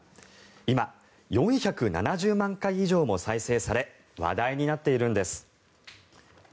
今、４７０万回以上も再生され話題になっているんです。